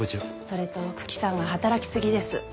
それと九鬼さんは働きすぎです。